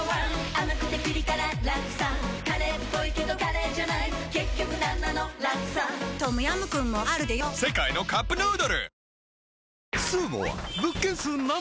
甘くてピリ辛ラクサカレーっぽいけどカレーじゃない結局なんなのラクサトムヤムクンもあるでヨ世界のカップヌードル